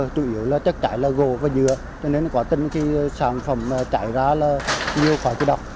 chủ yếu là chất cháy là gỗ và dừa cho nên khó khăn khi sản phẩm cháy ra là nhiều khó chịu đọc